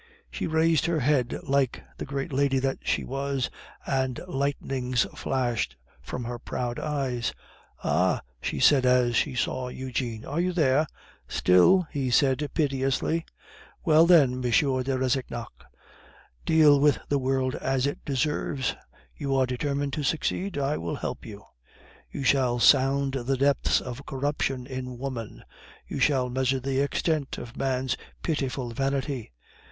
She raised her head like the great lady that she was, and lightnings flashed from her proud eyes. "Ah!" she said, as she saw Eugene, "are you there?" "Still," he said piteously. "Well, then, M. de Rastignac, deal with the world as it deserves. You are determined to succeed? I will help you. You shall sound the depths of corruption in woman; you shall measure the extent of man's pitiful vanity.